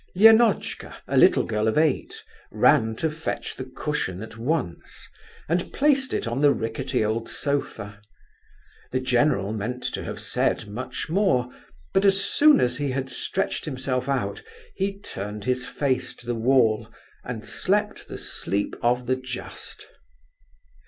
Lenotchka, a little girl of eight, ran to fetch the cushion at once, and placed it on the rickety old sofa. The general meant to have said much more, but as soon as he had stretched himself out, he turned his face to the wall, and slept the sleep of the just.